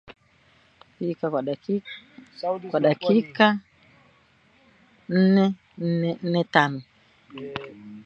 Pika kwa dakika nnetano